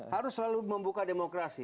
harus selalu membuka demokrasi